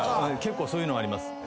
結構そういうのあります。